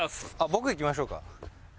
僕いきましょうか？